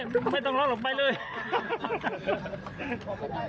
พี่สุนัยคิดถึงลูกไหมครับ